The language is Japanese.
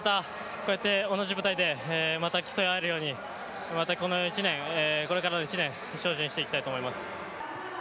こうやって同じ舞台で競い合えるようにまたこの１年、これからの１年、精進していきたいと思います。